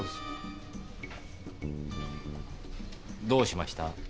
どうしました？